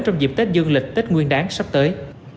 trong dịp tết dương lịch tết nguyên đáng sắp tới